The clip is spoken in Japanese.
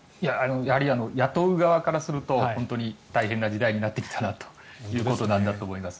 雇う側からすると大変な時代になってきたなということなんだと思います。